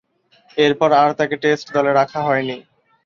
এরপর আর তাকে টেস্ট দলে রাখা হয়নি।